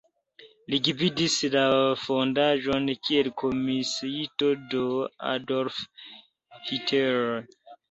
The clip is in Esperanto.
Li gvidis la fondaĵon kiel komisiito de Adolf Hitler.